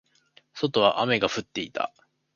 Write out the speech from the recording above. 外は雨が降っていた。